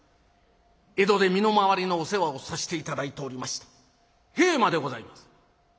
江戸で身の回りのお世話をさせて頂いておりました平馬でございます」。